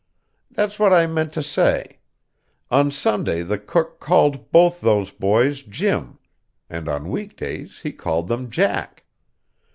That's what I meant to say. On Sunday the cook called both those boys Jim, and on week days he called them Jack.